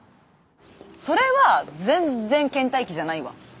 それは全然けん怠期じゃないわ。